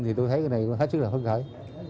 thì tôi thấy cái này nó hết sức là phấn khởi